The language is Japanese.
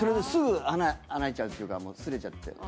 すぐ穴開いちゃうっていうかもうすれちゃって。